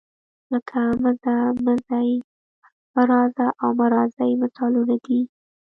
لکه مه ځه، مه ځئ، مه راځه او مه راځئ مثالونه دي.